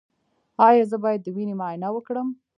ایا زه باید د وینې معاینه وکړم؟